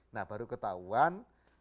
nah baru ketahuan